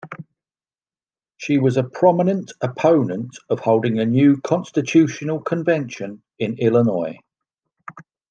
She was a prominent opponent of holding a new constitutional convention in Illinois.